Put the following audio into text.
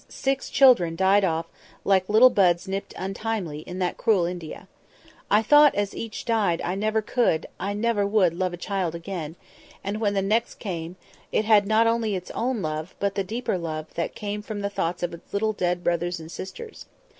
Six children died off, like little buds nipped untimely, in that cruel India. I thought, as each died, I never could—I never would—love a child again; and when the next came, it had not only its own love, but the deeper love that came from the thoughts of its little dead brothers and sisters.